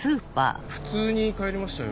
普通に帰りましたよ